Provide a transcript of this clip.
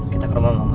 kita ke rumah mama